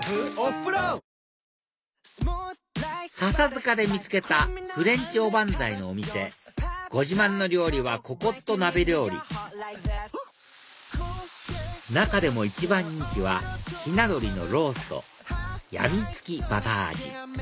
笹塚で見つけた「フレンチおばんざい」のお店ご自慢の料理はココット鍋料理中でも一番人気はひな鳥のローストやみつきバター味